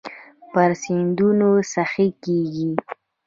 پر سیندونو سخي کیږې